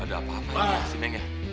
ada apa apa aja sih neng ya